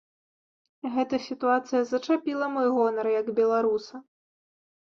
Гэтая сітуацыя зачапіла мой гонар, як беларуса.